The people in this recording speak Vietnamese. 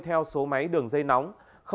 theo số máy đường dây nóng